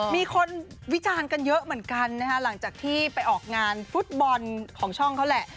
มีคนวิจารณ์กันเยอะเหมือนกันนะฮะหลังจากที่ไปออกงานฟุตบอลของช่องเขาแหละ